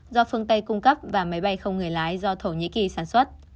do phương tây cung cấp và máy bay không người lái do thổ nhĩ kỳ sản xuất